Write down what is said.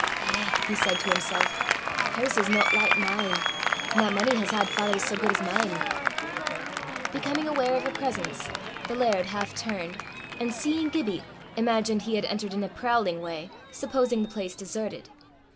"Eh!" he said to himself, "hers is no like mine! Nae mony has had fathers sae guid 's mine." Becoming aware of a presence, the laird half turned, and seeing Gibbie, imagined he had entered in a prowling way, supposing the place deserted.